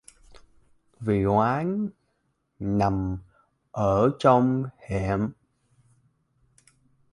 Vì quán nằm ở trong hẻm